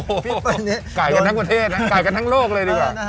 โอ้โหไก่กันทั้งประเทศไก่กันทั้งโลกเลยดีกว่า